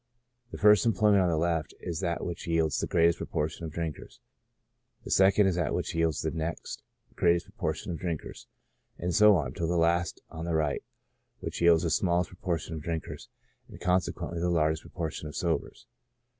The first employment on the left is that which yields the greatest proportion of drinkers ; the second is that which yields the next greatest proportion of drinkers ; and so on, till the last on the right, which yields the smallest proportion of drinkers, and consequently the largest pro portion of sobers.